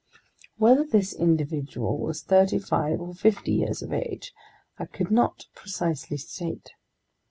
Whether this individual was thirty five or fifty years of age, I could not precisely state.